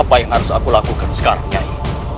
apa yang harus aku lakukan sekarang